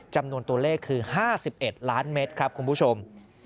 จำนวนตัวเลขคือ๕๑ล้านเมตรครับคุณผู้ชม